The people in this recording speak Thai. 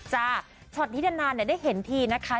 ช็อตนี้นานได้เห็นทีนะคะ